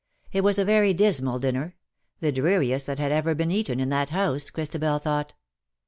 It was a very dismal dinner — the dreariest that had ever been eaten in that house, Christabel thought.